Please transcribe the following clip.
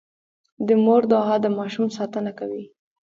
د مور دعا د ماشوم ساتنه کوي.